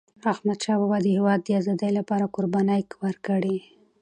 احمدشاه بابا د هیواد د آزادی لپاره قربانۍ ورکړي.